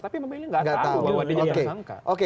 tapi pemilih tidak tahu bahwa dia tersangka